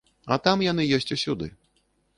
А там яны ёсць усюды.